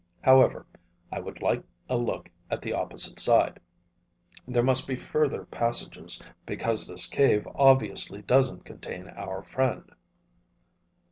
However, I would like a look at the opposite side. There must be further passages, because this cave obviously doesn't contain our friend."